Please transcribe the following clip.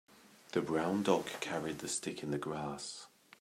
The brown dog carried the stick in the grass.